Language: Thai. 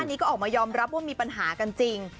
อันนี้ก็ออกมายอมรับว่ามีปัญหากันจริง